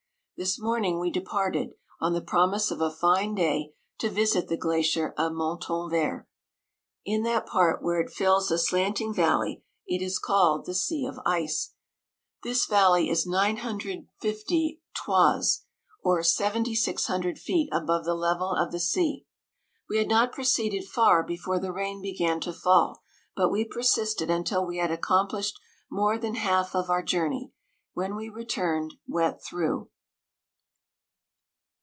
This morning we departed, on the promise of a fine day, to visit the gla cier of Montanvert. In that part where it fills a slanting valley, it is called the Sea of Ice, This valley is 9.50 toises, or 7600 feet above the level of the sea. We had not proceeded far before the rain began to fall, but we persisted un til we had accomplished more than half of our journey, when we returned, wet through.